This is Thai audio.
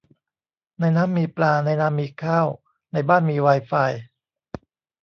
ในน้ำมีปลา ในนามีข้าว ในบ้านมีไวไฟ